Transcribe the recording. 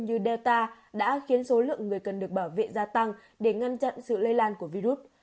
u data đã khiến số lượng người cần được bảo vệ gia tăng để ngăn chặn sự lây lan của virus